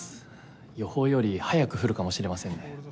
予報より早く降るかもしれませんね。